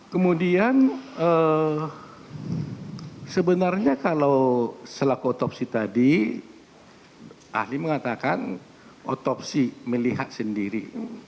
kemudian sebenarnya kalau selaku otopsi tadi ahli mengatakan otopsi melihat sendiri